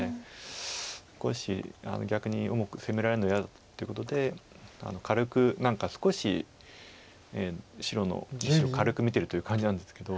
少し逆に重く攻められるの嫌だっていうことで軽く何か少し白の石を軽く見てるという感じなんですけど。